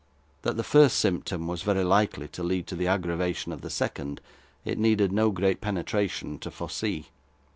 That the first symptom was very likely to lead to the aggravation of the second, it needed no great penetration to foresee.